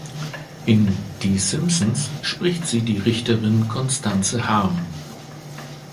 In "Die Simpsons" spricht sie die Richterin Constance Harm.